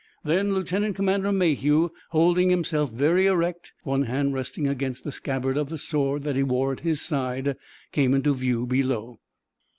Then Lieutenant Commander Mayhew, holding himself very erect, one hand resting against the scabbard of the sword that he wore at his side, came into view below.